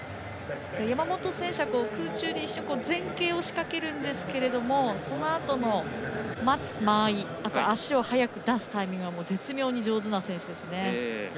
山本選手は空中で一瞬前傾をしかけるんですけれどもそのあとの待つ間合い足を速く出すタイミングは絶妙に上手な選手です。